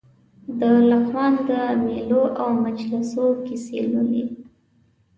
د لغمان د مېلو او مجلسونو کیسې کولې.